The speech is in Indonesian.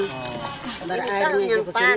ini tahun yang lebih parah